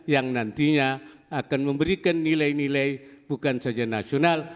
yang nantinya akan memberikan nilai nilai bukan saja nasional